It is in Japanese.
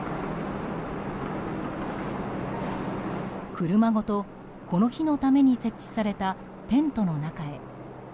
車ごとこの日のために設置されたテントの中へ。